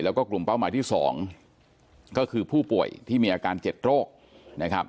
แล้วก็กลุ่มเป้าหมายที่๒ก็คือผู้ป่วยที่มีอาการ๗โรคนะครับ